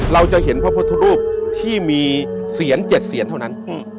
เราจะเห็นพระพุทธรูปที่มีเสียร๗เสียนเท่านั้น